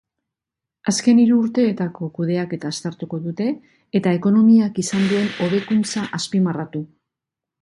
Azken hiru urteetako kudeaketa aztertuko dute eta ekonomiak izan duen hobekuntza azpimarratu.